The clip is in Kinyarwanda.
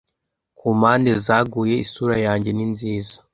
Ku mpande zaguye isura yanjye ni nziza